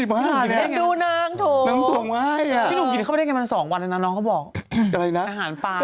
เป็นดูนางถูกพี่หนูกินเข้าไปได้ไงมัน๒วันแล้วน้องเขาบอกอาหารปลาน่ะ